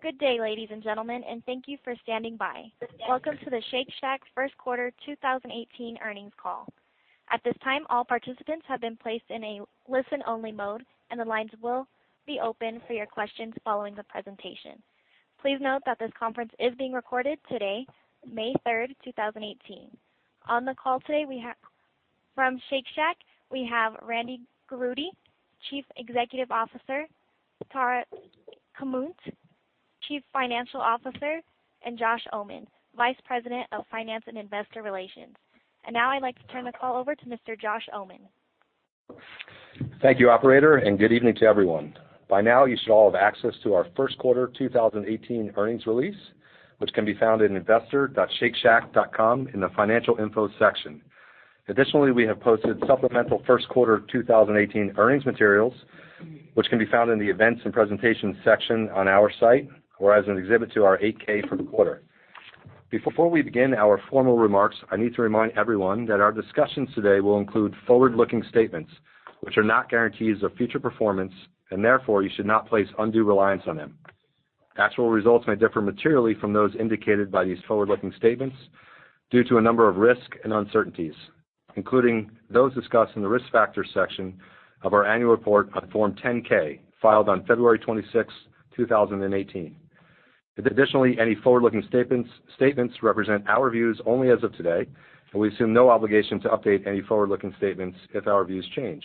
Good day, ladies and gentlemen, thank you for standing by. Welcome to the Shake Shack first quarter 2018 earnings call. At this time, all participants have been placed in a listen-only mode, the lines will be open for your questions following the presentation. Please note that this conference is being recorded today, May 3rd, 2018. On the call today, from Shake Shack, we have Randy Garutti, Chief Executive Officer, Tara Comonte, Chief Financial Officer, Jay Oh, Vice President of Finance and Investor Relations. Now I'd like to turn the call over to Mr. Jay Oh. Thank you, operator, good evening to everyone. By now, you should all have access to our first quarter 2018 earnings release, which can be found at investor.shakeshack.com in the Financial Info section. Additionally, we have posted supplemental first quarter 2018 earnings materials, which can be found in the Events and Presentations section on our site, or as an exhibit to our 8-K for the quarter. Before we begin our formal remarks, I need to remind everyone that our discussions today will include forward-looking statements, which are not guarantees of future performance, therefore, you should not place undue reliance on them. Actual results may differ materially from those indicated by these forward-looking statements due to a number of risks and uncertainties, including those discussed in the Risk Factors section of our annual report on Form 10-K, filed on February 26, 2018. Additionally, any forward-looking statements represent our views only as of today, we assume no obligation to update any forward-looking statements if our views change.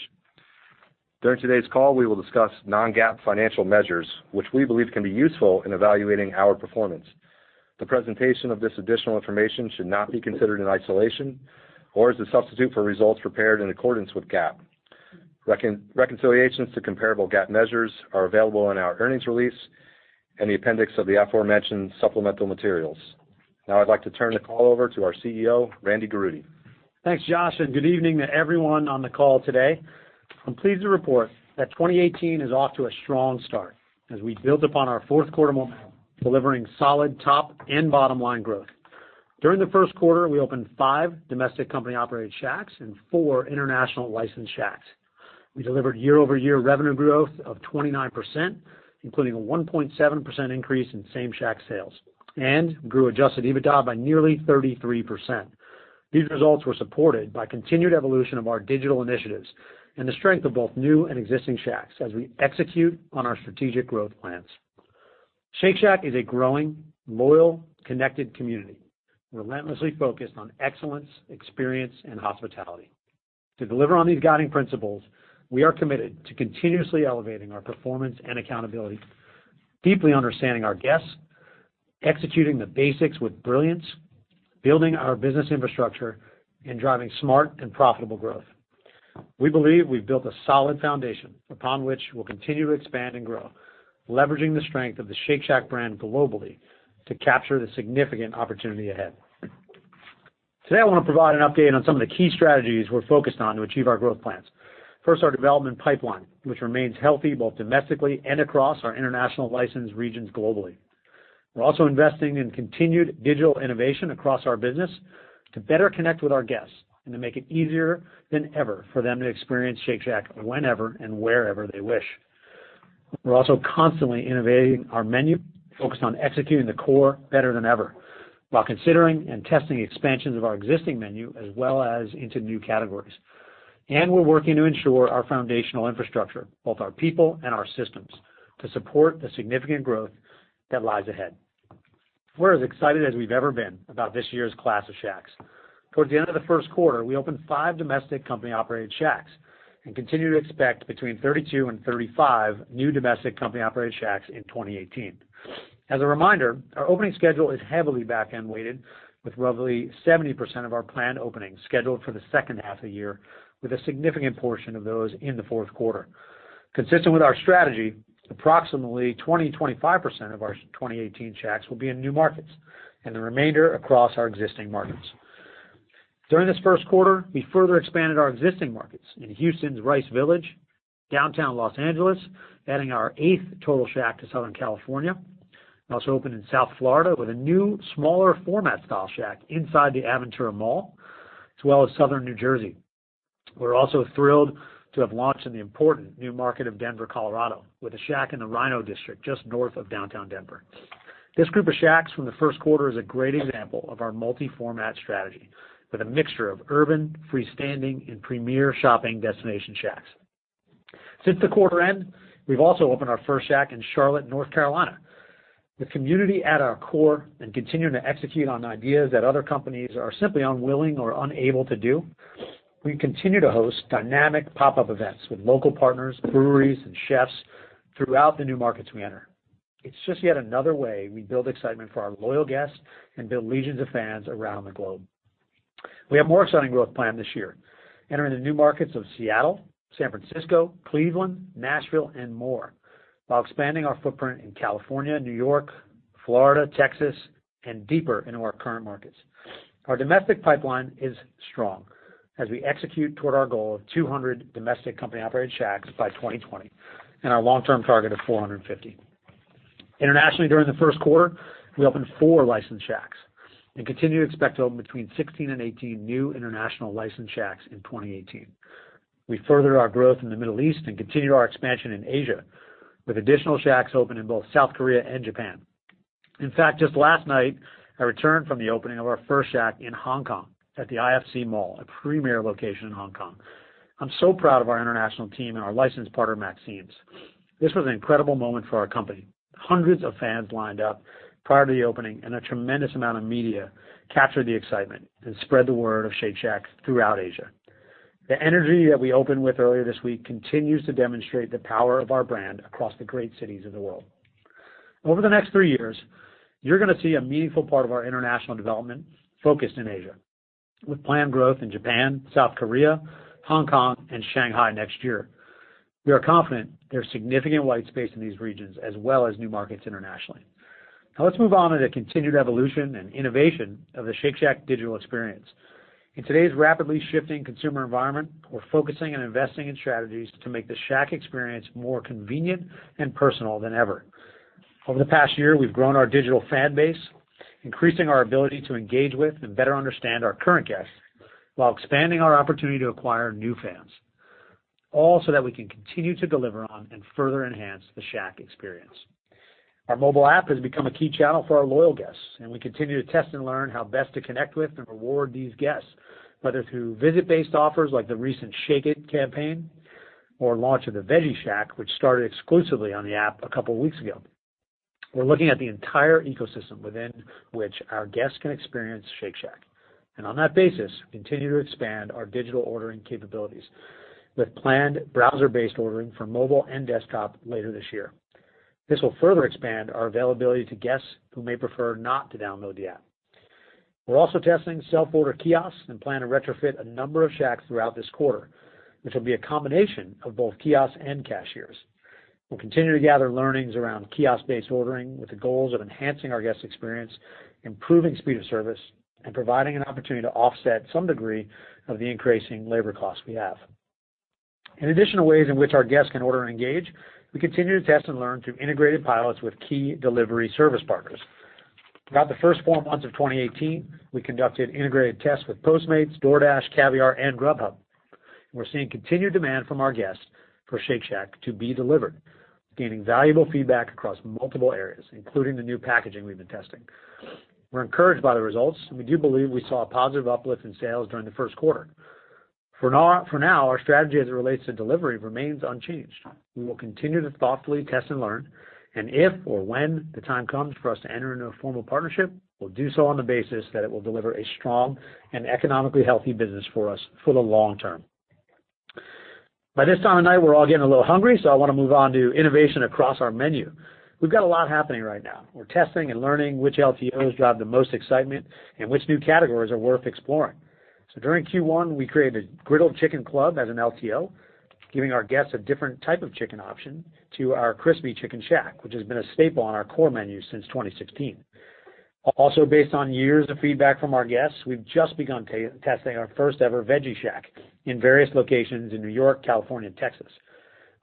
During today's call, we will discuss non-GAAP financial measures, which we believe can be useful in evaluating our performance. The presentation of this additional information should not be considered in isolation or as a substitute for results prepared in accordance with GAAP. Reconciliations to comparable GAAP measures are available in our earnings release and the appendix of the aforementioned supplemental materials. Now I'd like to turn the call over to our CEO, Randy Garutti. Thanks, Jay, good evening to everyone on the call today. I'm pleased to report that 2018 is off to a strong start as we build upon our fourth quarter momentum, delivering solid top and bottom-line growth. During the first quarter, we opened five domestic company-operated Shacks and four international licensed Shacks. We delivered year-over-year revenue growth of 29%, including a 1.7% increase in Same-Shack sales, grew Adjusted EBITDA by nearly 33%. These results were supported by continued evolution of our digital initiatives and the strength of both new and existing Shacks as we execute on our strategic growth plans. Shake Shack is a growing, loyal, connected community relentlessly focused on excellence, experience, and hospitality. To deliver on these guiding principles, we are committed to continuously elevating our performance and accountability, deeply understanding our guests, executing the basics with brilliance, building our business infrastructure, and driving smart and profitable growth. We believe we've built a solid foundation upon which we'll continue to expand and grow, leveraging the strength of the Shake Shack brand globally to capture the significant opportunity ahead. Today, I want to provide an update on some of the key strategies we're focused on to achieve our growth plans. First, our development pipeline, which remains healthy both domestically and across our international licensed regions globally. We're also investing in continued digital innovation across our business to better connect with our guests and to make it easier than ever for them to experience Shake Shack whenever and wherever they wish. We're also constantly innovating our menu, focused on executing the core better than ever while considering and testing expansions of our existing menu, as well as into new categories. We're working to ensure our foundational infrastructure, both our people and our systems, to support the significant growth that lies ahead. We're as excited as we've ever been about this year's class of Shacks. Towards the end of the first quarter, we opened five domestic company-operated Shacks and continue to expect between 32 and 35 new domestic company-operated Shacks in 2018. As a reminder, our opening schedule is heavily back-end weighted with roughly 70% of our planned openings scheduled for the second half of the year, with a significant portion of those in the fourth quarter. Consistent with our strategy, approximately 20% to 25% of our 2018 Shacks will be in new markets, and the remainder across our existing markets. During this first quarter, we further expanded our existing markets in Houston's Rice Village, downtown Los Angeles, adding our eighth total Shack to Southern California, and also opened in South Florida with a new, smaller format style Shack inside the Aventura Mall, as well as southern New Jersey. We're also thrilled to have launched in the important new market of Denver, Colorado, with a Shack in the RiNo district, just north of downtown Denver. This group of Shacks from the first quarter is a great example of our multi-format strategy with a mixture of urban, freestanding, and premier shopping destination Shacks. Since the quarter end, we've also opened our first Shack in Charlotte, North Carolina. With community at our core and continuing to execute on ideas that other companies are simply unwilling or unable to do, we continue to host dynamic pop-up events with local partners, breweries, and chefs throughout the new markets we enter. It's just yet another way we build excitement for our loyal guests and build legions of fans around the globe. We have more exciting growth planned this year, entering the new markets of Seattle, San Francisco, Cleveland, Nashville, and more, while expanding our footprint in California, New York, Florida, Texas, and deeper into our current markets. Our domestic pipeline is strong as we execute toward our goal of 200 domestic company-operated Shacks by 2020 and our long-term target of 450. Internationally, during the first quarter, we opened four licensed Shacks. Continue to expect to open between 16 and 18 new international licensed Shacks in 2018. We furthered our growth in the Middle East and continued our expansion in Asia, with additional Shacks opened in both South Korea and Japan. In fact, just last night, I returned from the opening of our first Shack in Hong Kong at the IFC Mall, a premier location in Hong Kong. I'm so proud of our international team and our licensed partner, Maxim's. This was an incredible moment for our company. Hundreds of fans lined up prior to the opening, and a tremendous amount of media captured the excitement and spread the word of Shake Shack throughout Asia. The energy that we opened with earlier this week continues to demonstrate the power of our brand across the great cities of the world. Over the next three years, you're going to see a meaningful part of our international development focused in Asia, with planned growth in Japan, South Korea, Hong Kong, and Shanghai next year. We are confident there's significant white space in these regions as well as new markets internationally. Let's move on to the continued evolution and innovation of the Shake Shack digital experience. In today's rapidly shifting consumer environment, we're focusing on investing in strategies to make the Shack experience more convenient and personal than ever. Over the past year, we've grown our digital fan base, increasing our ability to engage with and better understand our current guests, while expanding our opportunity to acquire new fans. All so that we can continue to deliver on and further enhance the Shack experience. Our mobile app has become a key channel for our loyal guests, and we continue to test and learn how best to connect with and reward these guests, whether through visit-based offers like the recent Shake It campaign or launch of the Veggie Shack, which started exclusively on the app a couple of weeks ago. We're looking at the entire ecosystem within which our guests can experience Shake Shack. On that basis, continue to expand our digital ordering capabilities with planned browser-based ordering for mobile and desktop later this year. This will further expand our availability to guests who may prefer not to download the app. We're also testing self-order kiosks and plan to retrofit a number of Shacks throughout this quarter, which will be a combination of both kiosks and cashiers. We'll continue to gather learnings around kiosk-based ordering with the goals of enhancing our guest experience, improving speed of service, and providing an opportunity to offset some degree of the increasing labor costs we have. In additional ways in which our guests can order and engage, we continue to test and learn through integrated pilots with key delivery service partners. Throughout the first four months of 2018, we conducted integrated tests with Postmates, DoorDash, Caviar, and Grubhub. We're seeing continued demand from our guests for Shake Shack to be delivered, gaining valuable feedback across multiple areas, including the new packaging we've been testing. We're encouraged by the results, we do believe we saw a positive uplift in sales during the first quarter. For now, our strategy as it relates to delivery remains unchanged. We will continue to thoughtfully test and learn. If or when the time comes for us to enter into a formal partnership, we'll do so on the basis that it will deliver a strong and economically healthy business for us for the long term. By this time of night, we're all getting a little hungry, I want to move on to innovation across our menu. We've got a lot happening right now. We're testing and learning which LTOs drive the most excitement and which new categories are worth exploring. During Q1, we created a griddled chicken club as an LTO, giving our guests a different type of chicken option to our crispy Chicken Shack, which has been a staple on our core menu since 2016. Based on years of feedback from our guests, we've just begun testing our first-ever Veggie Shack in various locations in New York, California, and Texas.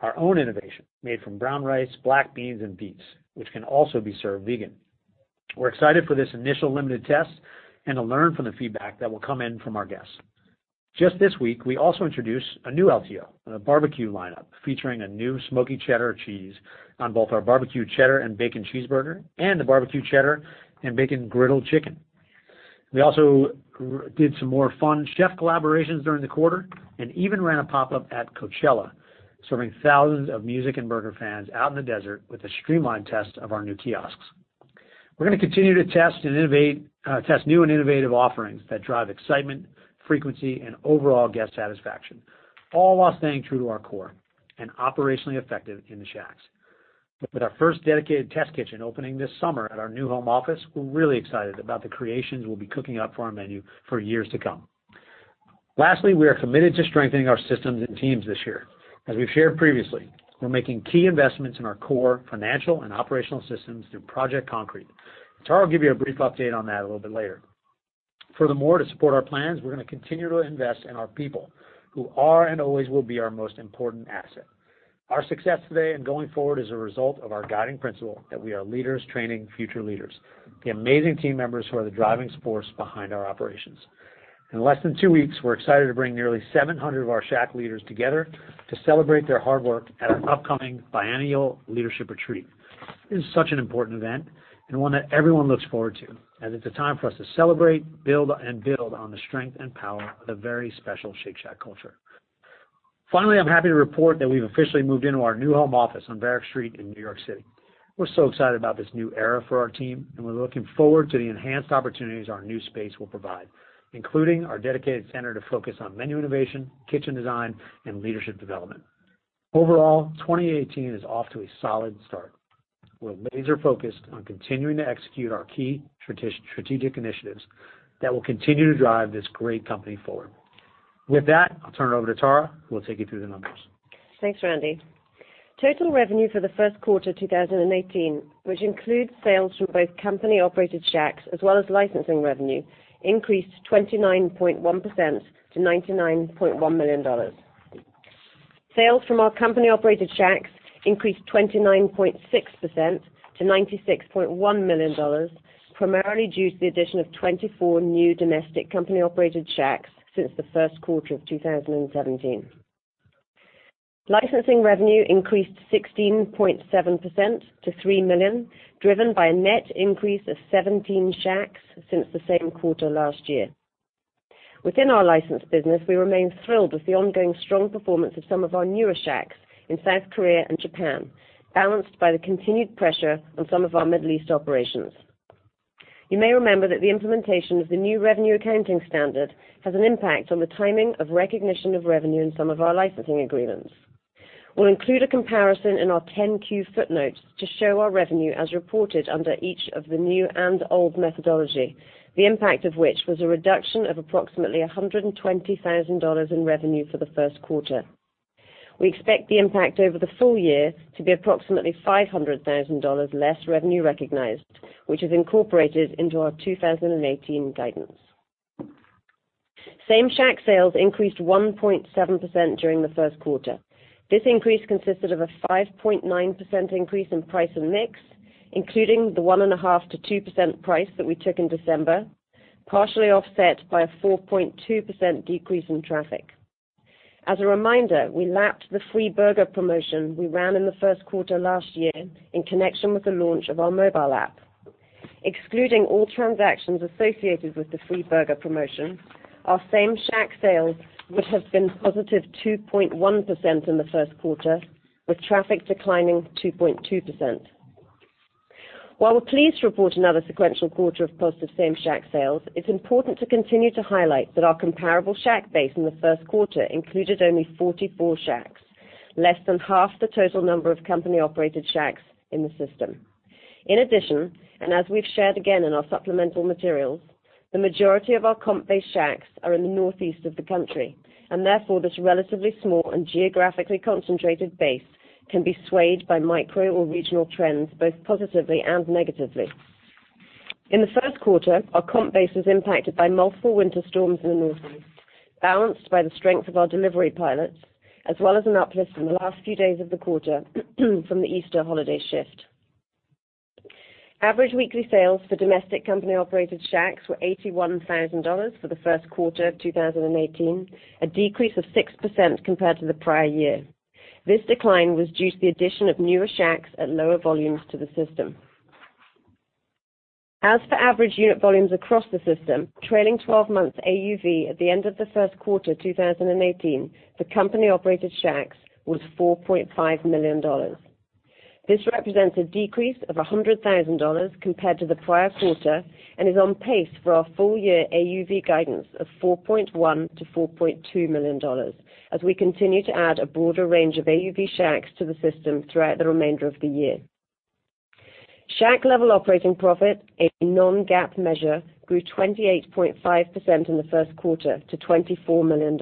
Our own innovation, made from brown rice, black beans, and beets, which can also be served vegan. We're excited for this initial limited test and to learn from the feedback that will come in from our guests. Just this week, we also introduced a new LTO, a barbecue lineup featuring a new smoky cheddar cheese on both our barbecue cheddar and bacon cheeseburger and the barbecue cheddar and bacon griddled chicken. We also did some more fun chef collaborations during the quarter and even ran a pop-up at Coachella, serving thousands of music and burger fans out in the desert with a streamlined test of our new kiosks. We're going to continue to test new and innovative offerings that drive excitement, frequency, and overall guest satisfaction, all while staying true to our core and operationally effective in the Shacks. With our first dedicated test kitchen opening this summer at our new home office, we're really excited about the creations we'll be cooking up for our menu for years to come. Lastly, we are committed to strengthening our systems and teams this year. As we've shared previously, we're making key investments in our core financial and operational systems through Project Concrete. Tara will give you a brief update on that a little bit later. To support our plans, we're going to continue to invest in our people, who are and always will be our most important asset. Our success today and going forward is a result of our guiding principle that we are leaders training future leaders, the amazing team members who are the driving force behind our operations. In less than two weeks, we're excited to bring nearly 700 of our Shack leaders together to celebrate their hard work at our upcoming biennial leadership retreat. This is such an important event and one that everyone looks forward to, as it's a time for us to celebrate, build, and build on the strength and power of the very special Shake Shack culture. I'm happy to report that we've officially moved into our new home office on Varick Street in New York City. We're so excited about this new era for our team, and we're looking forward to the enhanced opportunities our new space will provide, including our dedicated center to focus on menu innovation, kitchen design, and leadership development. Overall, 2018 is off to a solid start. We're laser-focused on continuing to execute our key strategic initiatives that will continue to drive this great company forward. With that, I'll turn it over to Tara, who will take you through the numbers. Thanks, Randy. Total revenue for the first quarter 2018, which includes sales from both company-operated Shacks as well as licensing revenue, increased 29.1% to $99.1 million. Sales from our company-operated Shacks increased 29.6% to $96.1 million, primarily due to the addition of 24 new domestic company-operated Shacks since the first quarter of 2017. Licensing revenue increased 16.7% to $3 million, driven by a net increase of 17 Shacks since the same quarter last year. Within our licensed business, we remain thrilled with the ongoing strong performance of some of our newer Shacks in South Korea and Japan, balanced by the continued pressure on some of our Middle East operations. You may remember that the implementation of the new revenue accounting standard has an impact on the timing of recognition of revenue in some of our licensing agreements. We'll include a comparison in our 10-Q footnotes to show our revenue as reported under each of the new and old methodology, the impact of which was a reduction of approximately $120,000 in revenue for the first quarter. We expect the impact over the full year to be approximately $500,000 less revenue recognized, which is incorporated into our 2018 guidance. Same-Shack sales increased 1.7% during the first quarter. This increase consisted of a 5.9% increase in price and mix, including the 1.5%-2% price that we took in December, partially offset by a 4.2% decrease in traffic. As a reminder, we lapped the free burger promotion we ran in the first quarter last year in connection with the launch of our mobile app. Excluding all transactions associated with the free burger promotion, our Same-Shack sales would have been positive 2.1% in the first quarter, with traffic declining 2.2%. While we're pleased to report another sequential quarter of positive Same-Shack sales, it's important to continue to highlight that our comparable Shack base in the first quarter included only 44 Shacks, less than half the total number of company-operated Shacks in the system. In addition, and as we've shared again in our supplemental materials, the majority of our comp-base Shacks are in the northeast of the country, and therefore, this relatively small and geographically concentrated base can be swayed by micro or regional trends, both positively and negatively. In the first quarter, our comp base was impacted by multiple winter storms in the Northeast, balanced by the strength of our delivery pilots, as well as an uplift in the last few days of the quarter from the Easter holiday shift. Average weekly sales for domestic company-operated Shacks were $81,000 for the first quarter of 2018, a decrease of 6% compared to the prior year. This decline was due to the addition of newer Shacks at lower volumes to the system. As for average unit volumes across the system, trailing 12 months AUV at the end of the first quarter 2018 for company-operated Shacks was $4.5 million. This represents a decrease of $100,000 compared to the prior quarter and is on pace for our full year AUV guidance of $4.1 million-$4.2 million, as we continue to add a broader range of AUV Shacks to the system throughout the remainder of the year. Shack level operating profit, a non-GAAP measure, grew 28.5% in the first quarter to $24 million.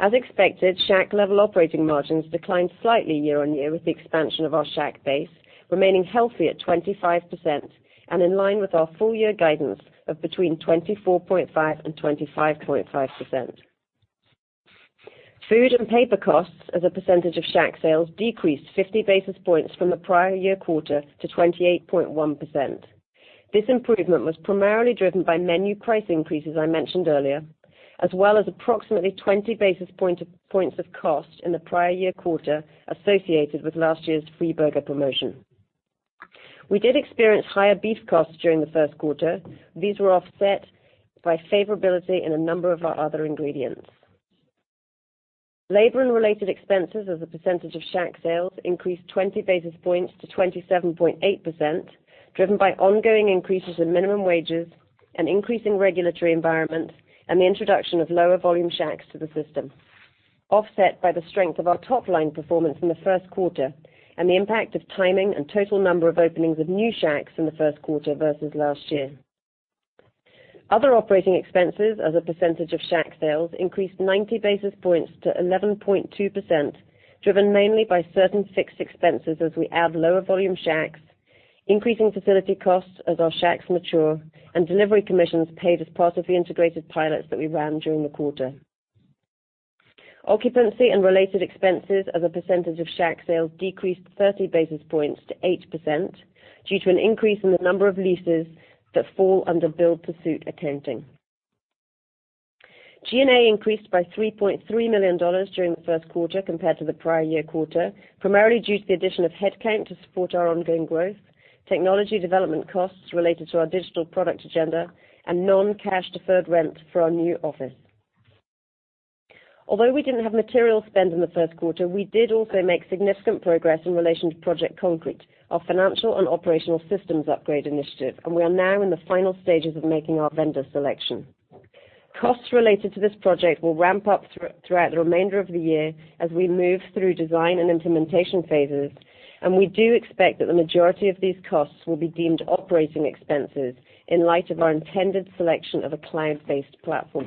As expected, Shack level operating margins declined slightly year-over-year with the expansion of our Shack base, remaining healthy at 25% and in line with our full year guidance of between 24.5% and 25.5%. Food and paper costs as a percentage of Shack sales decreased 50 basis points from the prior year quarter to 28.1%. This improvement was primarily driven by menu price increases I mentioned earlier, as well as approximately 20 basis points of cost in the prior year quarter associated with last year's free burger promotion. We did experience higher beef costs during the first quarter. These were offset by favorability in a number of our other ingredients. Labor and related expenses as a percentage of Shack sales increased 20 basis points to 27.8%, driven by ongoing increases in minimum wages and increasing regulatory environments, and the introduction of lower volume Shacks to the system, offset by the strength of our top-line performance in the first quarter, and the impact of timing and total number of openings of new Shacks in the first quarter versus last year. Other operating expenses as a percentage of Shack sales increased 90 basis points to 11.2%, driven mainly by certain fixed expenses as we add lower volume Shacks, increasing facility costs as our Shacks mature, and delivery commissions paid as part of the integrated pilots that we ran during the quarter. Occupancy and related expenses as a percentage of Shack sales decreased 30 basis points to 8% due to an increase in the number of leases that fall under build-to-suit accounting. G&A increased by $3.3 million during the first quarter compared to the prior year quarter, primarily due to the addition of headcount to support our ongoing growth, technology development costs related to our digital product agenda, and non-cash deferred rent for our new office. Although we didn't have material spend in the first quarter, we did also make significant progress in relation to Project Concrete, our financial and operational systems upgrade initiative, and we are now in the final stages of making our vendor selection. Costs related to this project will ramp up throughout the remainder of the year as we move through design and implementation phases, and we do expect that the majority of these costs will be deemed operating expenses in light of our intended selection of a client-based platform.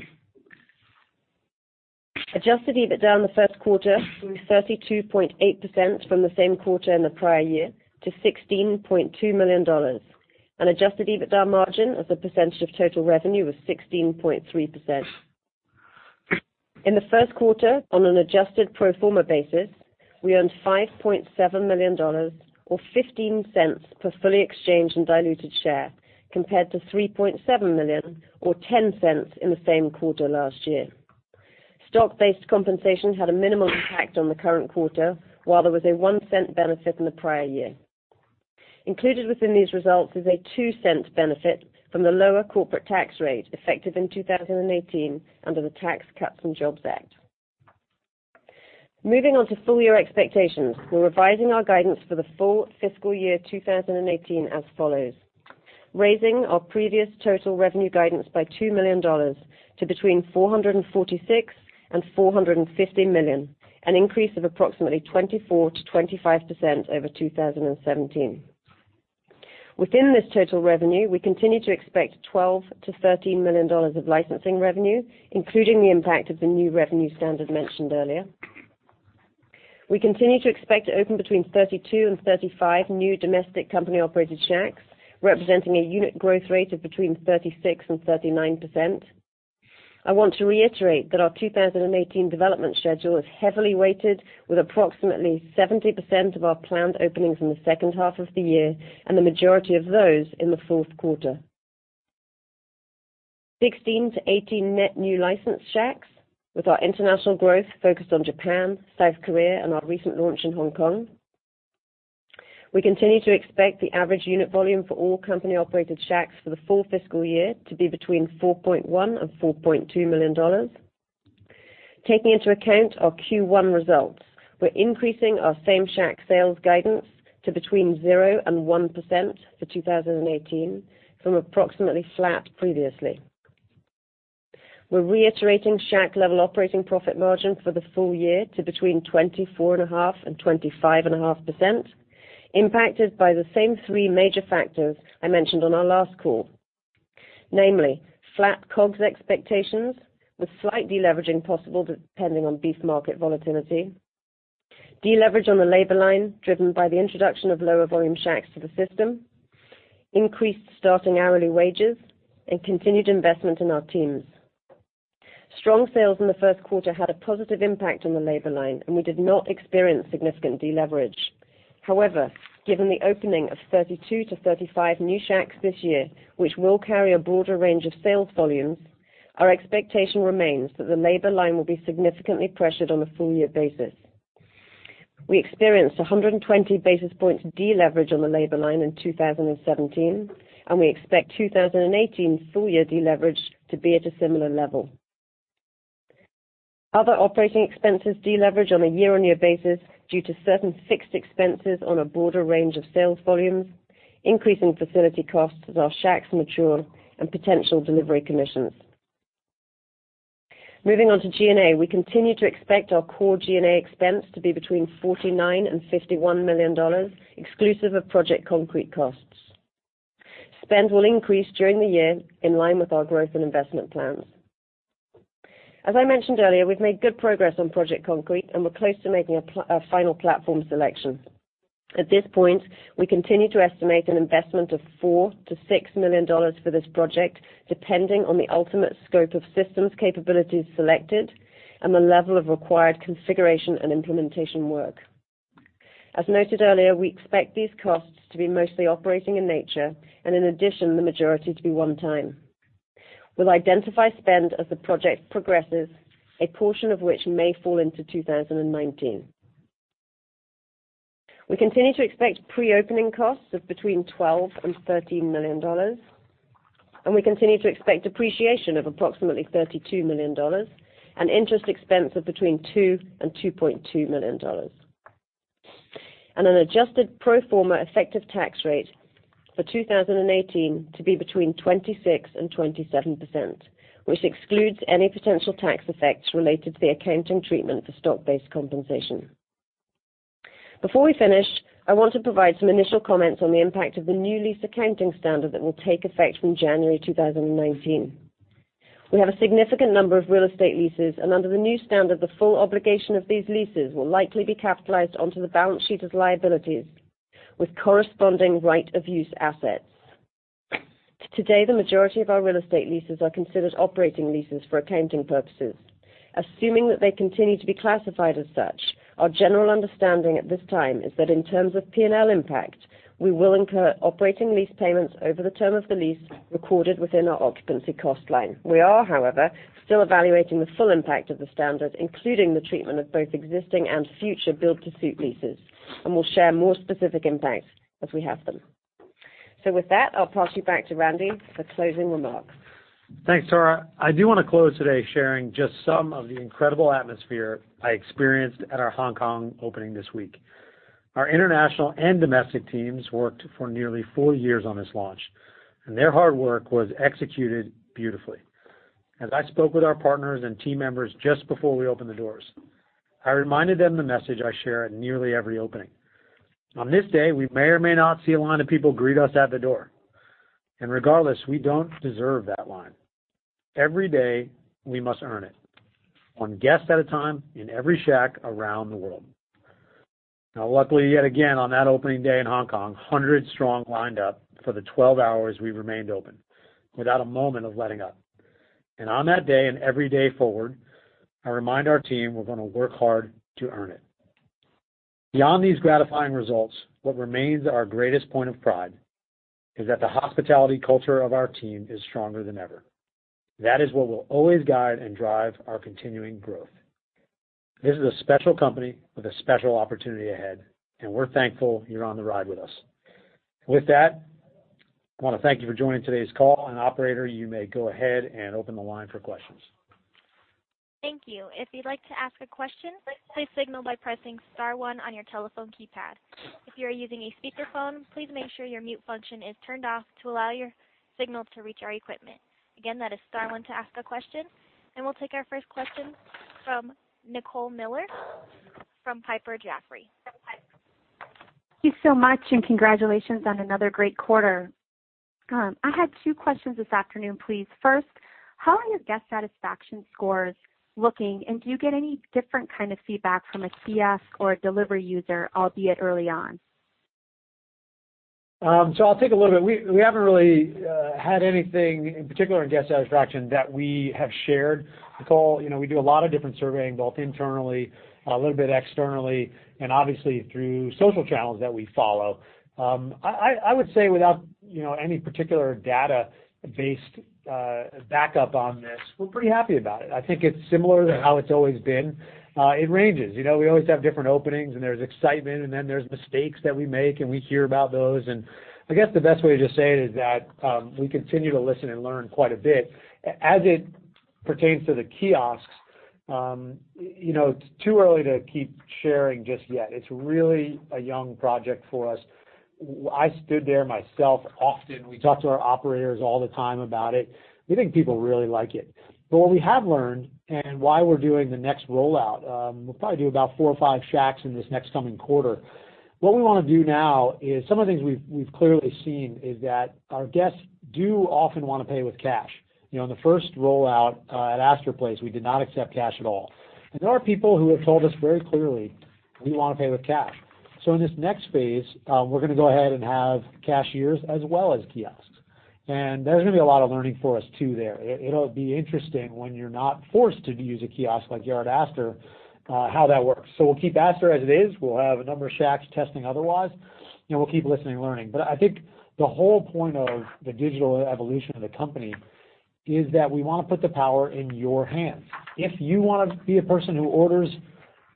Adjusted EBITDA in the first quarter grew 32.8% from the same quarter in the prior year to $16.2 million. Adjusted EBITDA margin as a percentage of total revenue was 16.3%. In the first quarter, on an adjusted pro forma basis, we earned $5.7 million, or $0.15 per fully exchanged and diluted share, compared to $3.7 million, or $0.10 in the same quarter last year. Stock-based compensation had a minimal impact on the current quarter, while there was a $0.01 benefit in the prior year. Included within these results is a $0.02 benefit from the lower corporate tax rate, effective in 2018 under the Tax Cuts and Jobs Act. Moving on to full year expectations, we're revising our guidance for the full fiscal year 2018 as follows. Raising our previous total revenue guidance by $2 million to between $446 million and $450 million, an increase of approximately 24%-25% over 2017. Within this total revenue, we continue to expect $12 million to $13 million of licensing revenue, including the impact of the new revenue standard mentioned earlier. We continue to expect to open between 32 and 35 new domestic company-operated Shacks, representing a unit growth rate of between 36% and 39%. I want to reiterate that our 2018 development schedule is heavily weighted with approximately 70% of our planned openings in the second half of the year, and the majority of those in the fourth quarter. 16 to 18 net new licensed Shacks with our international growth focused on Japan, South Korea, and our recent launch in Hong Kong. We continue to expect the average unit volume for all company-operated Shacks for the full fiscal year to be between $4.1 million and $4.2 million. Taking into account our Q1 results, we're increasing our Same-Shack sales guidance to between 0% and 1% for 2018 from approximately flat previously. We're reiterating Shack level operating profit margin for the full year to between 24.5% and 25.5%, impacted by the same three major factors I mentioned on our last call. Namely, flat COGS expectations, with slight deleveraging possible depending on beef market volatility. Deleverage on the labor line driven by the introduction of lower volume Shacks to the system, increased starting hourly wages, and continued investment in our teams. Strong sales in the first quarter had a positive impact on the labor line, and we did not experience significant deleverage. However, given the opening of 32 to 35 new Shacks this year, which will carry a broader range of sales volumes, our expectation remains that the labor line will be significantly pressured on a full year basis. We experienced 120 basis points deleverage on the labor line in 2017. We expect 2018 full year deleverage to be at a similar level. Other operating expenses deleverage on a year-on-year basis due to certain fixed expenses on a broader range of sales volumes, increasing facility costs as our Shacks mature, and potential delivery commissions. Moving on to G&A, we continue to expect our core G&A expense to be between $49 million and $51 million, exclusive of Project Concrete costs. Spend will increase during the year in line with our growth and investment plans. As I mentioned earlier, we've made good progress on Project Concrete. We're close to making a final platform selection. At this point, we continue to estimate an investment of $4 million to $6 million for this project, depending on the ultimate scope of systems capabilities selected and the level of required configuration and implementation work. As noted earlier, we expect these costs to be mostly operating in nature. In addition, the majority to be one-time. We'll identify spend as the project progresses, a portion of which may fall into 2019. We continue to expect pre-opening costs of between $12 million and $13 million. We continue to expect depreciation of approximately $32 million. Interest expense of between $2 million and $2.2 million. An adjusted pro forma effective tax rate for 2018 to be between 26% and 27%, which excludes any potential tax effects related to the accounting treatment for stock-based compensation. Before we finish, I want to provide some initial comments on the impact of the new lease accounting standard that will take effect from January 2019. We have a significant number of real estate leases. Under the new standard, the full obligation of these leases will likely be capitalized onto the balance sheet as liabilities with corresponding right-of-use assets. Today, the majority of our real estate leases are considered operating leases for accounting purposes. Assuming that they continue to be classified as such, our general understanding at this time is that in terms of P&L impact, we will incur operating lease payments over the term of the lease recorded within our occupancy cost line. We are, however, still evaluating the full impact of the standard, including the treatment of both existing and future build-to-suit leases. We will share more specific impacts as we have them. With that, I'll pass you back to Randy for closing remarks. Thanks, Tara. I do want to close today sharing just some of the incredible atmosphere I experienced at our Hong Kong opening this week. Our international and domestic teams worked for nearly four years on this launch. Their hard work was executed beautifully. As I spoke with our partners and team members just before we opened the doors, I reminded them the message I share at nearly every opening. On this day, we may or may not see a line of people greet us at the door. Regardless, we don't deserve that line. Every day we must earn it, one guest at a time in every Shack around the world. Luckily, yet again, on that opening day in Hong Kong, 100 strong lined up for the 12 hours we remained open without a moment of letting up. On that day, and every day forward, I remind our team we're going to work hard to earn it. Beyond these gratifying results, what remains our greatest point of pride is that the hospitality culture of our team is stronger than ever. That is what will always guide and drive our continuing growth. This is a special company with a special opportunity ahead, and we're thankful you're on the ride with us. With that, I want to thank you for joining today's call. Operator, you may go ahead and open the line for questions. Thank you. If you'd like to ask a question, please signal by pressing star one on your telephone keypad. If you're using a speakerphone, please make sure your mute function is turned off to allow your signal to reach our equipment. Again, that is star one to ask a question. We'll take our first question from Nicole Miller from Piper Jaffray. Thank you so much, and congratulations on another great quarter. I had two questions this afternoon, please. First, how are your guest satisfaction scores looking, and do you get any different kind of feedback from a kiosk or a delivery user, albeit early on? I'll take a little bit. We haven't really had anything in particular in guest satisfaction that we have shared, Nicole. We do a lot of different surveying, both internally, a little bit externally, and obviously through social channels that we follow. I would say without any particular data-based backup on this, we're pretty happy about it. I think it's similar to how it's always been. It ranges. We always have different openings and there's excitement, and then there's mistakes that we make, and we hear about those. I guess the best way to just say it is that we continue to listen and learn quite a bit. As it pertains to the kiosks, it's too early to keep sharing just yet. It's really a young project for us. I stood there myself often. We talk to our operators all the time about it. We think people really like it. What we have learned, and why we're doing the next rollout, we'll probably do about four or five Shacks in this next coming quarter. What we want to do now is some of the things we've clearly seen is that our guests do often want to pay with cash. In the first rollout at Astor Place, we did not accept cash at all. There are people who have told us very clearly, "We want to pay with cash." In this next phase, we're going to go ahead and have cashiers as well as kiosks. There's going to be a lot of learning for us, too, there. It'll be interesting when you're not forced to use a kiosk like you are at Astor, how that works. We'll keep Astor as it is. We'll have a number of Shacks testing otherwise. We'll keep listening and learning. I think the whole point of the digital evolution of the company is that we want to put the power in your hands. If you want to be a person who orders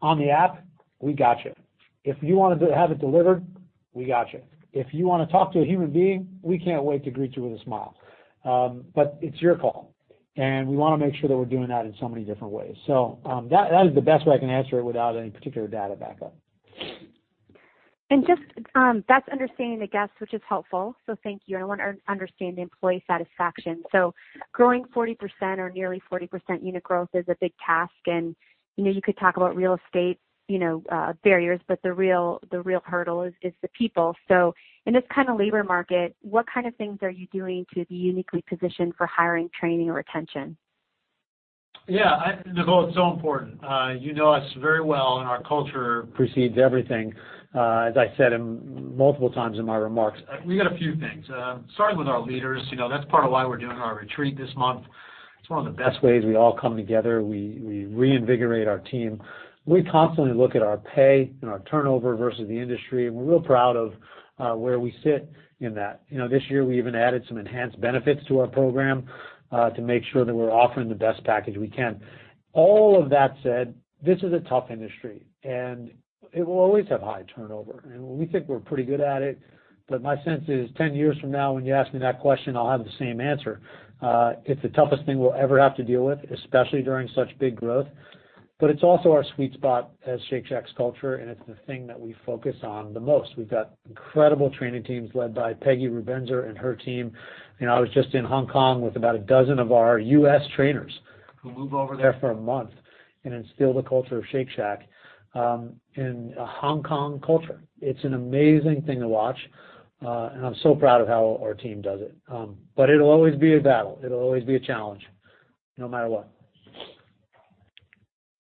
on the app, we got you. If you want to have it delivered, we got you. If you want to talk to a human being, we can't wait to greet you with a smile. It's your call, and we want to make sure that we're doing that in so many different ways. That is the best way I can answer it without any particular data backup. Just that's understanding the guest, which is helpful. Thank you. I want to understand the employee satisfaction. Growing 40% or nearly 40% unit growth is a big task, and you could talk about real estate barriers, but the real hurdle is the people. In this kind of labor market, what kind of things are you doing to be uniquely positioned for hiring, training, or retention? Yeah, Nicole, it's so important. You know us very well. Our culture precedes everything. As I said multiple times in my remarks, we got a few things. Starting with our leaders, that's part of why we're doing our retreat this month. It's one of the best ways we all come together. We reinvigorate our team. We constantly look at our pay and our turnover versus the industry, and we're real proud of where we sit in that. This year we even added some enhanced benefits to our program, to make sure that we're offering the best package we can. All of that said, this is a tough industry and it will always have high turnover. We think we're pretty good at it, but my sense is 10 years from now when you ask me that question, I'll have the same answer. It's the toughest thing we'll ever have to deal with, especially during such big growth. It's also our sweet spot as Shake Shack's culture. It's the thing that we focus on the most. We've got incredible training teams led by Peggy Rubenzer and her team. I was just in Hong Kong with about a dozen of our U.S. trainers who move over there for a month and instill the culture of Shake Shack in a Hong Kong culture. It's an amazing thing to watch. I'm so proud of how our team does it. It'll always be a battle. It'll always be a challenge, no matter what.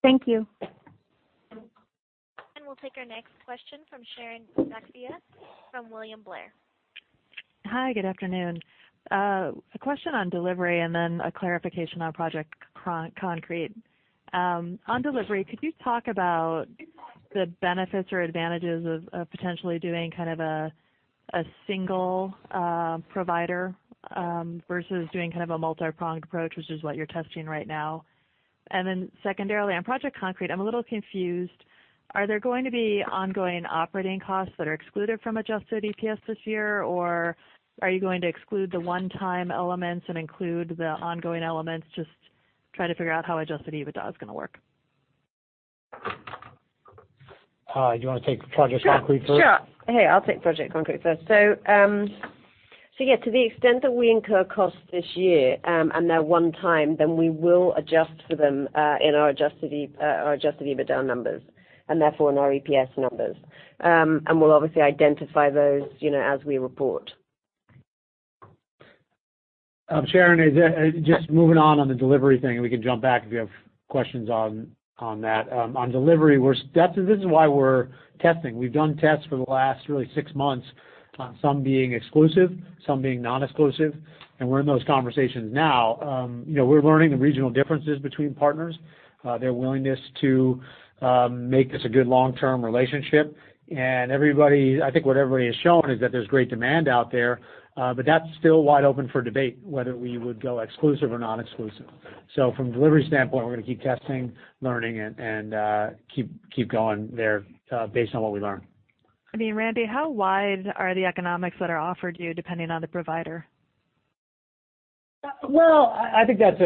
Thank you. We'll take our next question from Sharon Zackfia from William Blair. Hi, good afternoon. A question on delivery and then a clarification on Project Concrete. On delivery, could you talk about the benefits or advantages of potentially doing kind of a single provider, versus doing kind of a multi-pronged approach, which is what you're testing right now? Then secondarily, on Project Concrete, I'm a little confused. Are there going to be ongoing operating costs that are excluded from adjusted EPS this year, or are you going to exclude the one-time elements and include the ongoing elements? Just trying to figure out how adjusted EBITDA is going to work. Do you want to take Project Concrete first? Sure. Hey, I'll take Project Concrete first. Yeah, to the extent that we incur costs this year, and they're one time, then we will adjust for them, in our Adjusted EBITDA numbers and therefore in our EPS numbers. We'll obviously identify those as we report. Sharon, just moving on the delivery thing, and we can jump back if you have questions on that. On delivery, this is why we're testing. We've done tests for the last really six months on some being exclusive, some being non-exclusive, and we're in those conversations now. We're learning the regional differences between partners, their willingness to make this a good long-term relationship. I think what everybody has shown is that there's great demand out there. That's still wide open for debate, whether we would go exclusive or non-exclusive. From a delivery standpoint, we're going to keep testing, learning, and keep going there based on what we learn. Randy, how wide are the economics that are offered you depending on the provider? Well, I think that's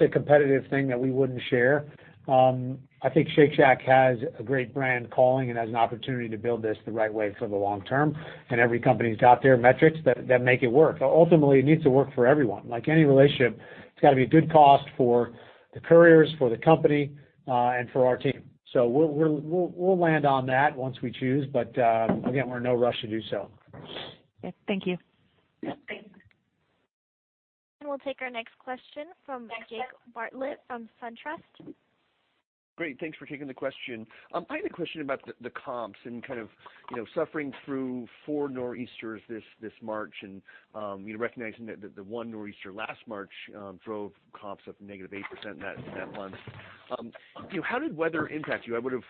a competitive thing that we wouldn't share. I think Shake Shack has a great brand calling and has an opportunity to build this the right way for the long term. Every company's got their metrics that make it work. Ultimately, it needs to work for everyone. Like any relationship, it's got to be a good cost for the couriers, for the company, and for our team. We'll land on that once we choose. Again, we're in no rush to do so. Okay. Thank you. Yep. Thanks. We'll take our next question from Jake Bartlett from SunTrust. Great. Thanks for taking the question. I had a question about the comps and kind of suffering through 4 nor'easters this March, recognizing that the one nor'easter last March drove comps up negative 8% that month. How did weather impact you? I would've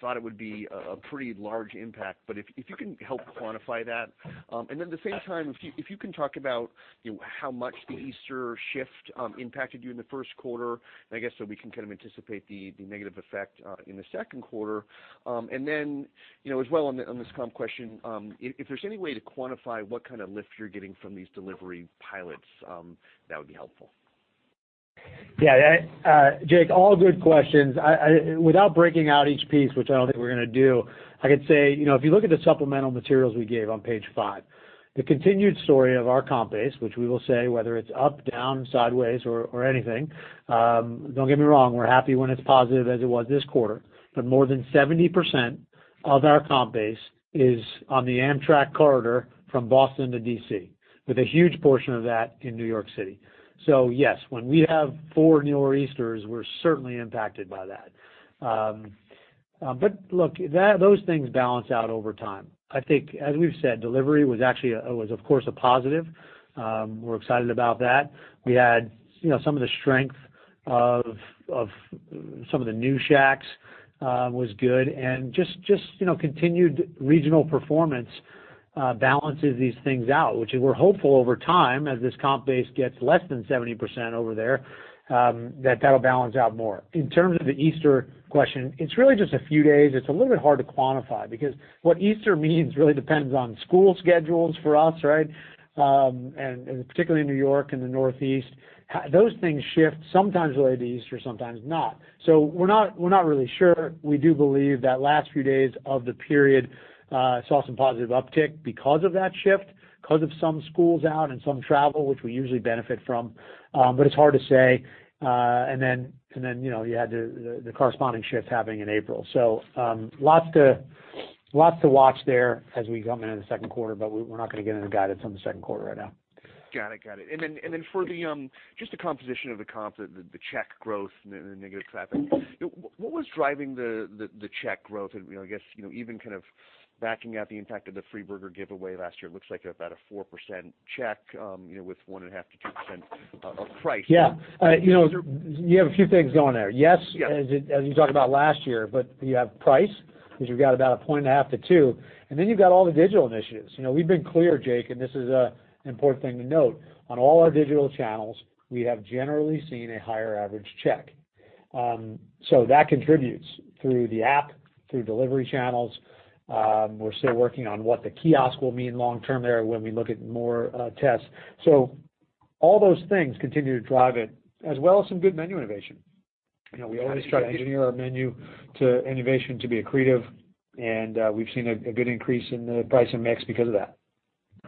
thought it would be a pretty large impact, but if you can help quantify that. At the same time, if you can talk about how much the Easter shift impacted you in the first quarter, and I guess so we can kind of anticipate the negative effect in the second quarter. As well on this comp question, if there's any way to quantify what kind of lift you're getting from these delivery pilots, that would be helpful. Yeah, Jake, all good questions. Without breaking out each piece, which I don't think we're going to do, I could say, if you look at the supplemental materials we gave on page five, the continued story of our comp base, which we will say whether it's up, down, sideways, or anything, don't get me wrong, we're happy when it's positive as it was this quarter, but more than 70% of our comp base is on the Amtrak corridor from Boston to D.C., with a huge portion of that in New York City. Yes, when we have 4 nor'easters, we're certainly impacted by that. Look, those things balance out over time. I think, as we've said, delivery was of course a positive. We're excited about that. We had some of the strength of some of the new Shacks was good and just continued regional performance balances these things out, which we're hopeful over time as this comp base gets less than 70% over there, that that'll balance out more. In terms of the Easter question, it's really just a few days. It's a little bit hard to quantify because what Easter means really depends on school schedules for us, right? Particularly in New York and the Northeast, those things shift sometimes related to Easter, sometimes not. We're not really sure. We do believe that last few days of the period saw some positive uptick because of that shift, because of some schools out and some travel, which we usually benefit from. It's hard to say. You had the corresponding shift happening in April. Lots to watch there as we come into the second quarter, but we're not going to get into guidance on the second quarter right now. Got it. Then for just the composition of the comp, the check growth and the negative traffic, what was driving the check growth? I guess, even kind of backing out the impact of the free burger giveaway last year, it looks like about a 4% check, with 1.5% to 2% of price. Yeah. You have a few things going there. Yeah as you talked about last year, you have price, because you've got about a 1.5% to 2%, then you've got all the digital initiatives. We've been clear, Jake, this is an important thing to note, on all our digital channels, we have generally seen a higher average check. That contributes through the app, through delivery channels. We're still working on what the kiosk will mean long term there when we look at more tests. All those things continue to drive it, as well as some good menu innovation. We always try to engineer our menu to innovation to be accretive, we've seen a good increase in the price and mix because of that.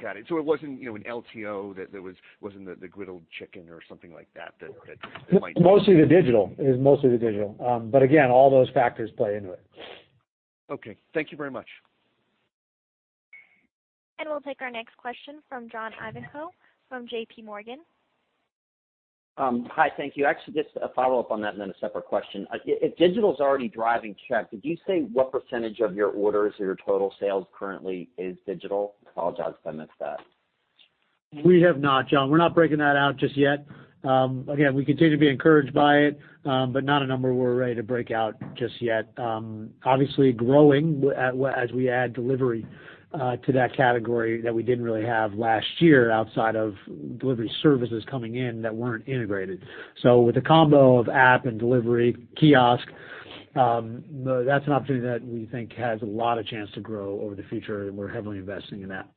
Got it. It wasn't an LTO, that wasn't the griddled chicken or something like that. It was mostly the digital. Again, all those factors play into it. Okay. Thank you very much. We'll take our next question from John Ivankoe from JP Morgan. Hi, thank you. Actually, just a follow-up on that and then a separate question. If digital's already driving check, did you say what % of your orders or your total sales currently is digital? I apologize if I missed that. We have not, John. We're not breaking that out just yet. Again, we continue to be encouraged by it, but not a number we're ready to break out just yet. Obviously growing as we add delivery to that category that we didn't really have last year outside of delivery services coming in that weren't integrated. With the combo of app and delivery, kiosk, that's an opportunity that we think has a lot of chance to grow over the future, and we're heavily investing in that.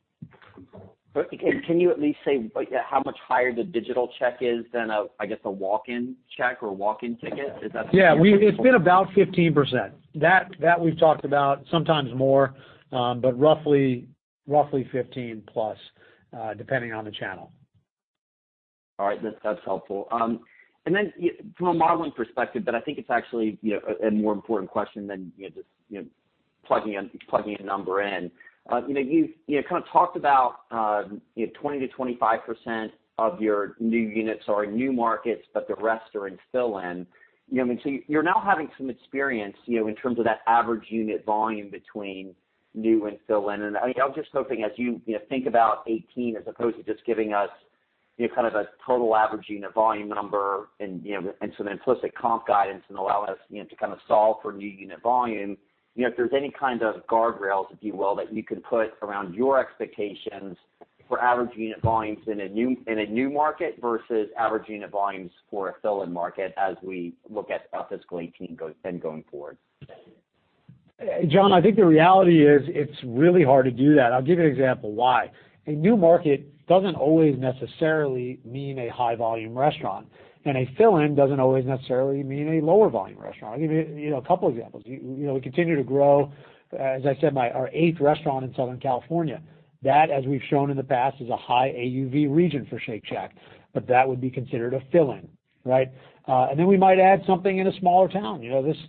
Can you at least say how much higher the digital check is than a walk-in check or walk-in ticket? Is that? Yeah, it's been about 15%. That we've talked about, sometimes more, but roughly 15% plus, depending on the channel. All right. That's helpful. Then from a modeling perspective, but I think it's actually a more important question than just plugging a number in. You talked about 20%-25% of your new units are in new markets, but the rest are in fill-in. You're now having some experience in terms of that average unit volume between new and fill-in. I was just hoping, as you think about 2018, as opposed to just giving us a total average unit volume number and some implicit comp guidance and allowing us to solve for new unit volume, if there's any kind of guardrails, if you will, that you can put around your expectations for average unit volumes in a new market versus average unit volumes for a fill-in market as we look at fiscal 2018 and going forward. John, I think the reality is it's really hard to do that. I'll give you an example why. A new market doesn't always necessarily mean a high-volume restaurant, and a fill-in doesn't always necessarily mean a lower volume restaurant. I'll give you a couple examples. We continue to grow, as I said, our eighth restaurant in Southern California. That, as we've shown in the past, is a high AUV region for Shake Shack, but that would be considered a fill-in. Right? Then we might add something in a smaller town.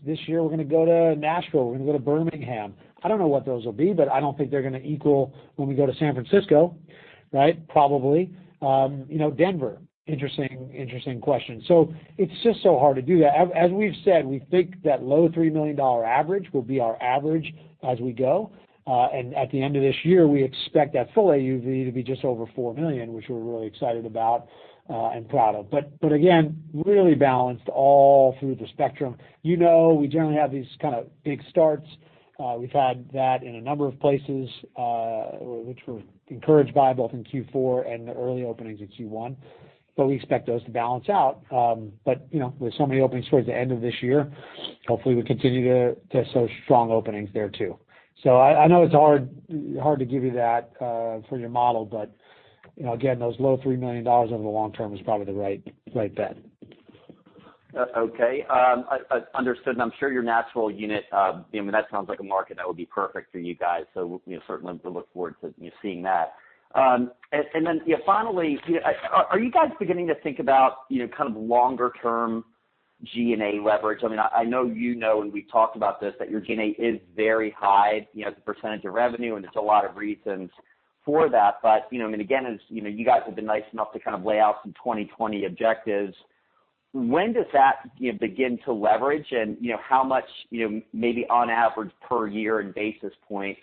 This year we're going to go to Nashville, we're going to go to Birmingham. I don't know what those will be, but I don't think they're going to equal when we go to San Francisco. Right? Probably. Denver. Interesting question. It's just so hard to do that. As we've said, we think that low $3 million average will be our average as we go. At the end of this year, we expect that full AUV to be just over $4 million, which we're really excited about and proud of. Again, really balanced all through the spectrum. You know, we generally have these kind of big starts. We've had that in a number of places, which we're encouraged by, both in Q4 and the early openings in Q1. We expect those to balance out. With so many openings towards the end of this year, hopefully we continue to show strong openings there, too. I know it's hard to give you that for your model, but again, those low $3 million over the long term is probably the right bet. Okay. Understood, I'm sure your Nashville unit, that sounds like a market that would be perfect for you guys, certainly we look forward to seeing that. Then finally, are you guys beginning to think about longer-term G&A leverage? I know you know, and we've talked about this, that your G&A is very high as a percentage of revenue, and there's a lot of reasons for that. Again, as you guys have been nice enough to lay out some 2020 objectives, when does that begin to leverage and how much, maybe on average per year in basis points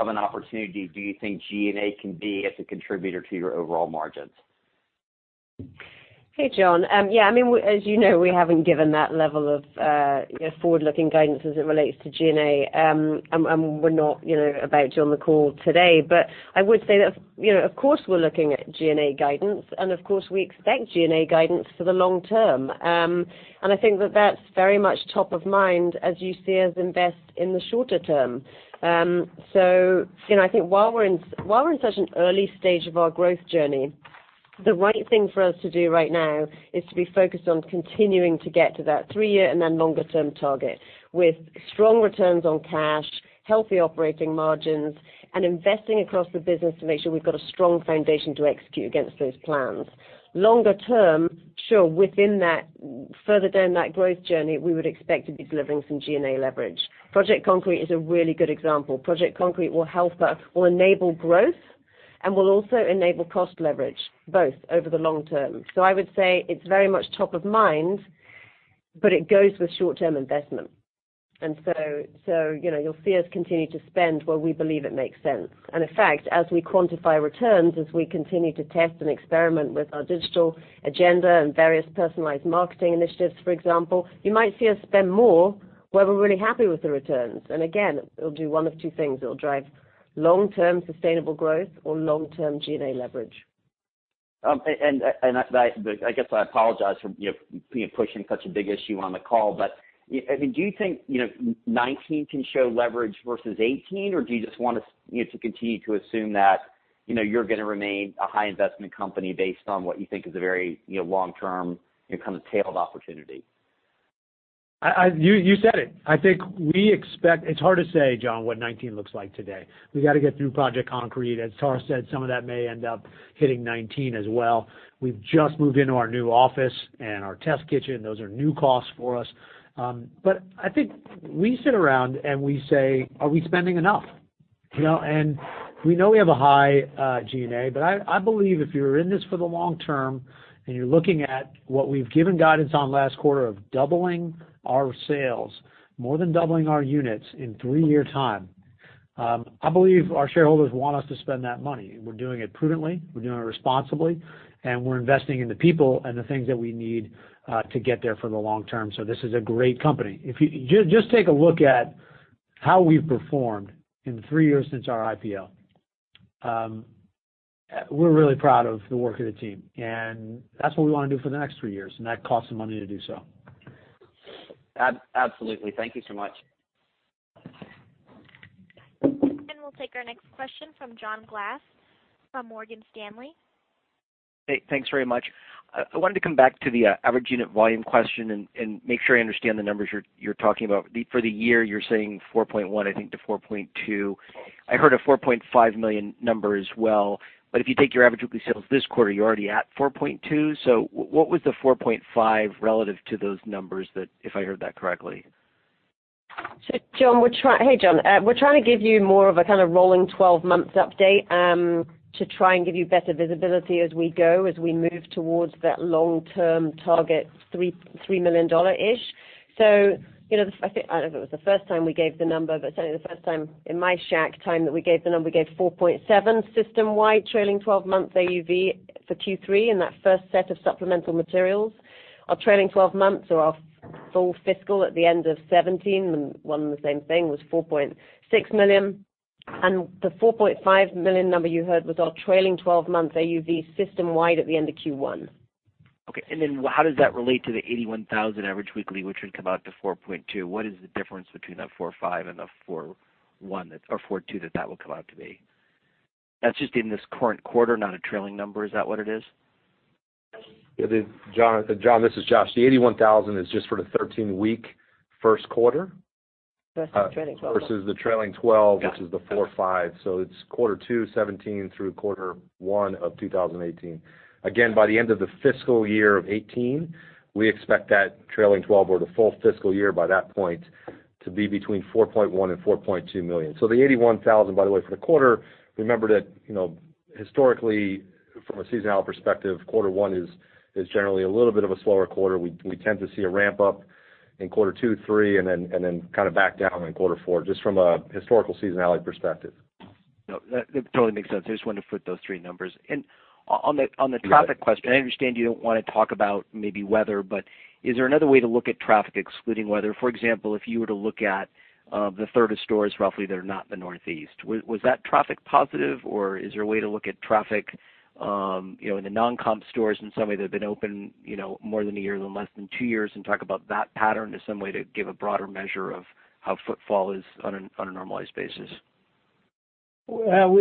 of an opportunity, do you think G&A can be as a contributor to your overall margins? Hey, John. Yeah, as you know, we haven't given that level of forward-looking guidance as it relates to G&A, and we're not about to on the call today. I would say that of course we're looking at G&A guidance, and of course we expect G&A guidance for the long term. I think that that's very much top of mind as you see us invest in the shorter term. I think while we're in such an early stage of our growth journey, the right thing for us to do right now is to be focused on continuing to get to that three-year and then longer-term target with strong returns on cash, healthy operating margins, and investing across the business to make sure we've got a strong foundation to execute against those plans. Longer term, sure, within that, further down that growth journey, we would expect to be delivering some G&A leverage. Project Concrete is a really good example. Project Concrete will help us, will enable growth, and will also enable cost leverage, both over the long term. I would say it's very much top of mind, but it goes with short-term investment. You'll see us continue to spend where we believe it makes sense. In fact, as we quantify returns, as we continue to test and experiment with our digital agenda and various personalized marketing initiatives, for example, you might see us spend more where we're really happy with the returns. Again, it'll do one of two things. It'll drive long-term sustainable growth or long-term G&A leverage. I guess I apologize for pushing such a big issue on the call, do you think 2019 can show leverage versus 2018? Do you just want us to continue to assume that you're going to remain a high-investment company based on what you think is a very long term tailed opportunity? You said it. I think we expect. It's hard to say, John, what 2019 looks like today. We got to get through Project Concrete. As Tara said, some of that may end up hitting 2019 as well. We've just moved into our new office and our test kitchen. Those are new costs for us. I think we sit around and we say, "Are we spending enough?" We know we have a high G&A, I believe if you're in this for the long term and you're looking at what we've given guidance on last quarter of doubling our sales, more than doubling our units in three-year time, I believe our shareholders want us to spend that money. We're doing it prudently, we're doing it responsibly, we're investing in the people and the things that we need to get there for the long term. This is a great company. If you just take a look at how we've performed in the three years since our IPO. We're really proud of the work of the team, that's what we want to do for the next three years, that costs some money to do so. Absolutely. Thank you so much. We'll take our next question from John Glass from Morgan Stanley. Hey, thanks very much. I wanted to come back to the average unit volume question and make sure I understand the numbers you're talking about. For the year you're saying $4.1, I think, to $4.2. I heard a $4.5 million number as well. If you take your average weekly sales this quarter, you're already at $4.2, so what was the $4.5 relative to those numbers that, if I heard that correctly? Hey, John. We're trying to give you more of a kind of rolling 12 months update to try and give you better visibility as we go, as we move towards that long-term target, $3 million-ish. I think, I don't know if it was the first time we gave the number, but certainly the first time in my Shack time that we gave the number, we gave $4.7 system-wide trailing 12 months AUV for Q3 in that first set of supplemental materials. Our trailing 12 months or our full fiscal at the end of 2017, one and the same thing, was $4.6 million. The $4.5 million number you heard was our trailing 12 months AUV system-wide at the end of Q1. How does that relate to the $81,000 average weekly, which would come out to $4.2? What is the difference between that $4.5 and the $4.1 or $4.2 that will come out to be? That's just in this current quarter, not a trailing number, is that what it is? Yeah. John, this is Jay. The $81,000 is just for the 13-week first quarter. Versus the trailing 12. Versus the trailing 12, which is the $4.5. It's quarter two 2017 through quarter one of 2018. Again, by the end of the fiscal year of 2018, we expect that trailing 12 or the full fiscal year by that point to be between $4.1 million and $4.2 million. The $81,000, by the way, for the quarter, remember that historically from a seasonal perspective, quarter one is generally a little bit of a slower quarter. We tend to see a ramp up in quarter two, three, and then kind of back down in quarter four, just from a historical seasonality perspective. No, that totally makes sense. I just wanted to put those three numbers. On the traffic question, I understand you don't want to talk about maybe weather, but is there another way to look at traffic excluding weather? For example, if you were to look at the third of stores roughly that are not the Northeast, was that traffic positive, or is there a way to look at traffic in the non-comp stores in some way that have been open more than one year, less than two years, and talk about that pattern as some way to give a broader measure of how footfall is on a normalized basis?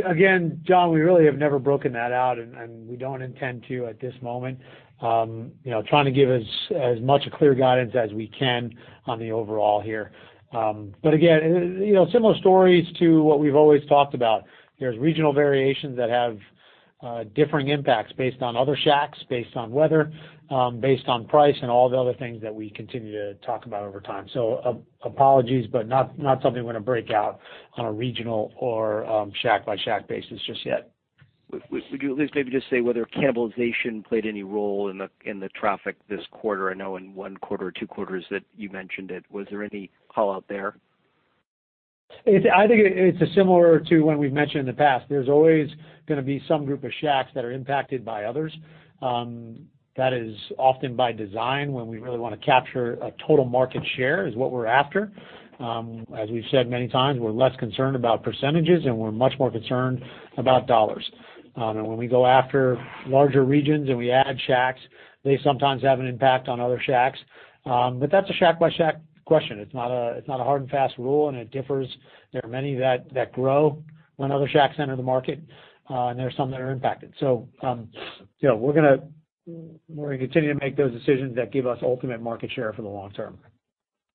Again, John, we really have never broken that out, and we don't intend to at this moment. Trying to give as much clear guidance as we can on the overall here. Again, similar stories to what we've always talked about. There's regional variations that have differing impacts based on other Shacks, based on weather, based on price, and all the other things that we continue to talk about over time. Apologies, but not something we're going to break out on a regional or Shack-by-Shack basis just yet. Would you at least maybe just say whether cannibalization played any role in the traffic this quarter? I know in one quarter or two quarters that you mentioned it. Was there any call-out there? I think it's similar to when we've mentioned in the past. There's always going to be some group of Shacks that are impacted by others. That is often by design when we really want to capture a total market share is what we're after. As we've said many times, we're less concerned about percentages, and we're much more concerned about dollars. When we go after larger regions and we add Shacks, they sometimes have an impact on other Shacks. That's a Shack-by-Shack question. It's not a hard and fast rule, and it differs. There are many that grow when other Shacks enter the market, and there are some that are impacted. We're going to continue to make those decisions that give us ultimate market share for the long term.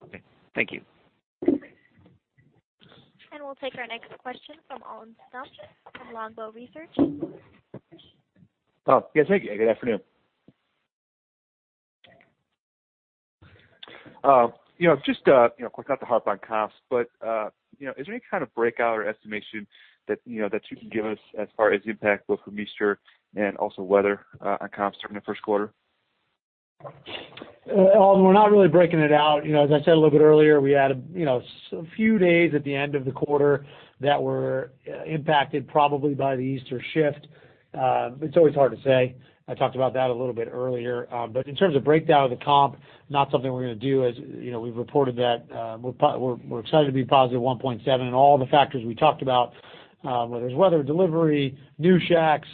Okay. Thank you. We'll take our next question from Alton Stump from Longbow Research. Yes. Thank you. Good afternoon. Just, of course, not to harp on comps, is there any kind of breakout or estimation that you can give us as far as the impact both from Easter and also weather on comps during the first quarter? Alton, we're not really breaking it out. As I said a little bit earlier, we had a few days at the end of the quarter that were impacted probably by the Easter shift. It's always hard to say. I talked about that a little bit earlier. In terms of breakdown of the comp, not something we're going to do, as we've reported that. We're excited to be positive 1.7% in all the factors we talked about, whether it's weather, delivery, new Shacks,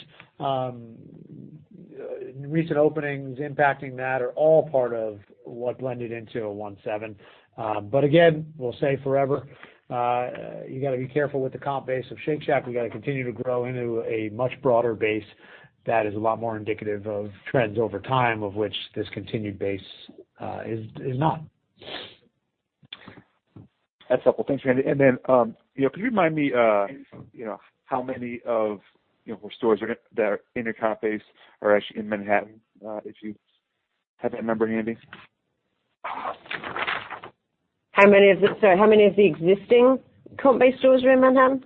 recent openings impacting that, are all part of what blended into a 1.7%. Again, we'll say forever, you got to be careful with the comp base of Shake Shack. We got to continue to grow into a much broader base that is a lot more indicative of trends over time, of which this continued base is not. That's helpful. Thanks, Randy. Then can you remind me how many of your stores that are in your comp base are actually in Manhattan, if you have that number handy? Sorry, how many of the existing comp-based stores are in Manhattan?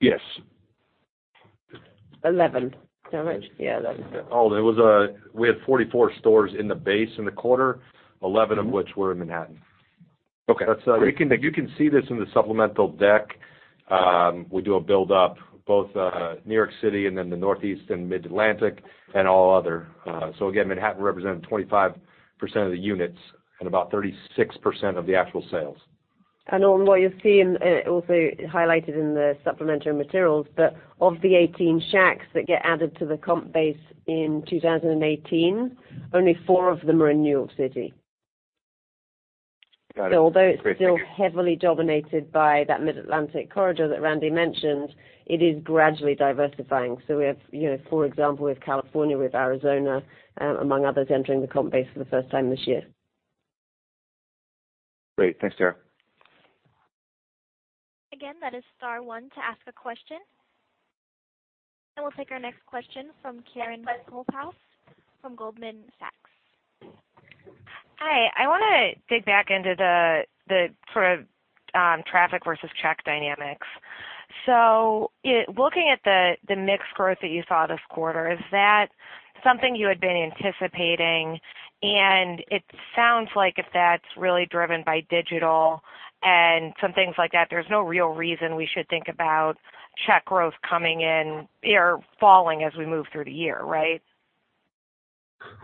Yes. 11. Is that right? Yeah, 11. Alton, we had 44 stores in the base in the quarter, 11 of which were in Manhattan. Okay. Great. You can see this in the supplemental deck. We do a build-up both New York City and then the Northeast and Mid-Atlantic and all other. Again, Manhattan represented 25% of the units and about 36% of the actual sales. Alton, what you'll see, also highlighted in the supplementary materials, of the 18 Shacks that get added to the comp base in 2018, only four of them are in New York City. Got it. Great. Thank you. Although it's still heavily dominated by that Mid-Atlantic corridor that Randy mentioned, it is gradually diversifying. We have, for example, with California, with Arizona, among others, entering the comp base for the first time this year. Great. Thanks, Tara. Again, that is star one to ask a question. We'll take our next question from Karen Holthouse from Goldman Sachs. Hi, I want to dig back into the traffic versus check dynamics. Looking at the mix growth that you saw this quarter, is that something you had been anticipating? It sounds like if that's really driven by digital and some things like that, there's no real reason we should think about check growth coming in or falling as we move through the year, right?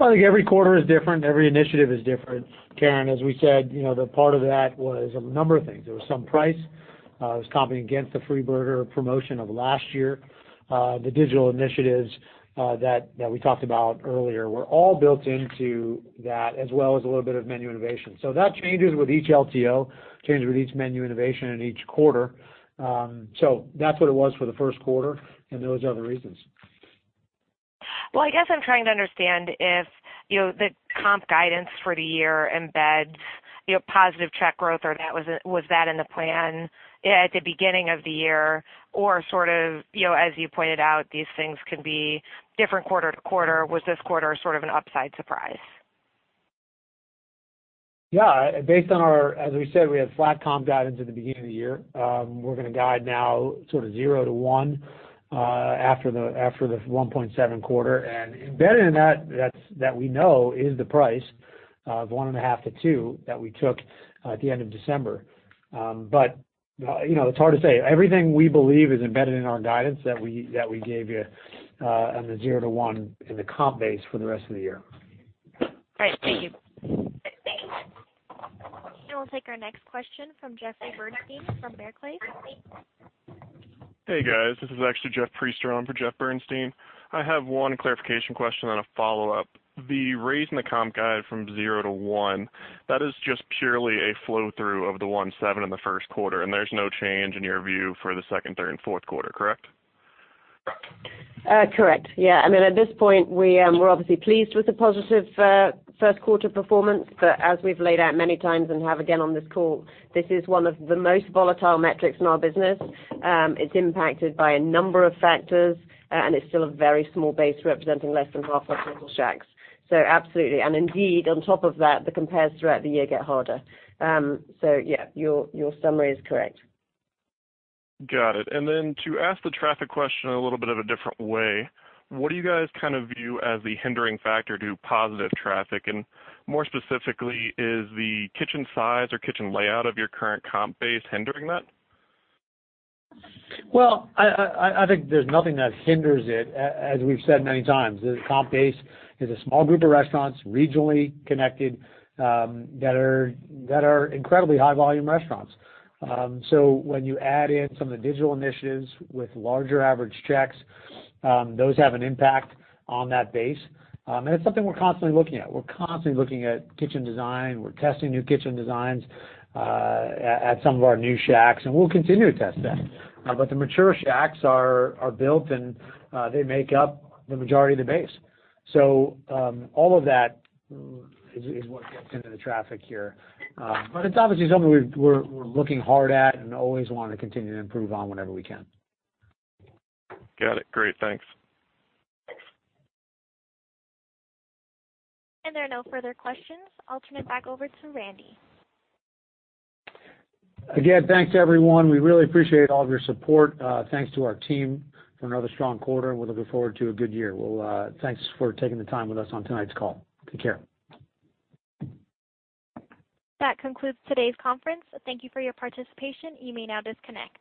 I think every quarter is different. Every initiative is different. Karen, as we said, the part of that was a number of things. There was some price. It was comping against the free burger promotion of last year. The digital initiatives that we talked about earlier were all built into that, as well as a little bit of menu innovation. That changes with each LTO, changes with each menu innovation in each quarter. That's what it was for the first quarter, and those are the reasons. I guess I'm trying to understand if the comp guidance for the year embeds positive check growth, or was that in the plan at the beginning of the year, or sort of, as you pointed out, these things can be different quarter-to-quarter. Was this quarter sort of an upside surprise? Yeah. As we said, we had flat comp guidance at the beginning of the year. We're going to guide now sort of 0%-1% after the 1.7% quarter. Embedded in that we know, is the price of 1.5%-2% that we took at the end of December. It's hard to say. Everything we believe is embedded in our guidance that we gave you on the 0%-1% in the comp base for the rest of the year. Great. Thank you. We'll take our next question from Jeffrey Bernstein from Barclays. Hey, guys. This is actually Jeff Priester on for Jeff Bernstein. I have one clarification question and a follow-up. The raise in the comp guide from zero to one, that is just purely a flow-through of the 1.7% in the first quarter, and there's no change in your view for the second, third, and fourth quarter, correct? Correct. Yeah. I mean, at this point, we're obviously pleased with the positive first quarter performance, but as we've laid out many times and have again on this call, this is one of the most volatile metrics in our business. It's impacted by a number of factors, and it's still a very small base representing less than half our total Shacks. Absolutely. Indeed, on top of that, the compares throughout the year get harder. Yeah, your summary is correct. Got it. Then to ask the traffic question in a little bit of a different way, what do you guys view as the hindering factor to positive traffic? More specifically, is the kitchen size or kitchen layout of your current comp base hindering that? Well, I think there's nothing that hinders it, as we've said many times. The comp base is a small group of restaurants, regionally connected, that are incredibly high-volume restaurants. When you add in some of the digital initiatives with larger average checks, those have an impact on that base. It's something we're constantly looking at. We're constantly looking at kitchen design. We're testing new kitchen designs at some of our new Shacks, and we'll continue to test that. The mature Shacks are built, and they make up the majority of the base. All of that is what gets into the traffic here. It's obviously something we're looking hard at and always want to continue to improve on whenever we can. Got it. Great. Thanks. There are no further questions. I'll turn it back over to Randy. Again, thanks everyone. We really appreciate all of your support. Thanks to our team for another strong quarter, and we're looking forward to a good year. Well, thanks for taking the time with us on tonight's call. Take care. That concludes today's conference. Thank you for your participation. You may now disconnect.